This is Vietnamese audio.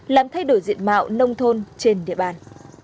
làm thay đổi diện mạo nông thôn trên địa bàn